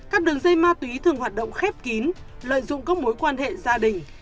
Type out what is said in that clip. các đường dây ma túy thường hoạt động khép kín lợi dụng các mối quan hệ gia đình